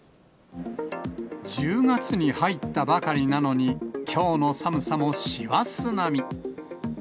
１０月に入ったばかりなのに、きょうの寒さも師走並み。